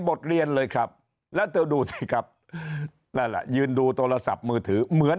บทเรียนเลยครับแล้วเธอดูสิครับนั่นแหละยืนดูโทรศัพท์มือถือเหมือน